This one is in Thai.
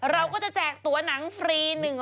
เราก็จะแจกตัวหนังฟรี